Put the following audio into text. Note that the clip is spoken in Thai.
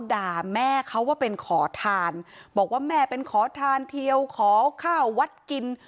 ด่าแม่เขาว่าเป็นขอทานบอกว่าแม่เป็นขอทานเทียวขอข้าววัดกิน